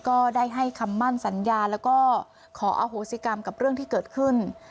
ก็ได้ให้คำมั่นสัญญาแล้วก็ขออโหสิกรรมกับเรื่องที่เกิดขึ้น